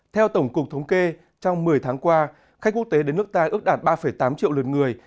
theo tổng cục thống kê trong một mươi tháng qua khách quốc tế đến nước ta ước đạt ba tám triệu lượt người